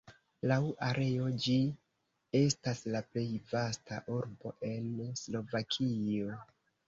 Laŭ areo ĝi estas la plej vasta urbo en Slovakio.